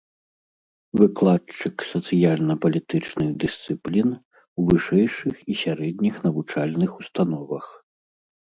Выкладчык сацыяльна-палітычных дысцыплін у вышэйшых і сярэдніх навучальных установах.